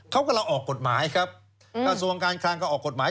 เขากำลังออกกฎหมายครับกระทรวงการคลังก็ออกกฎหมาย